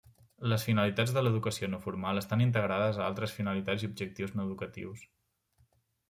Les finalitats de l'educació no formal estan integrades a altres finalitats i objectius no educatius.